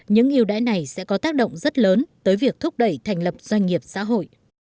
những yêu đáy này sẽ có tác động rất lớn tới việc thúc đẩy thành lập doanh nghiệp xã hội